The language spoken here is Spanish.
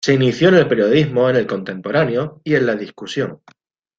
Se inició en el periodismo en "El Contemporáneo" y en "La Discusión".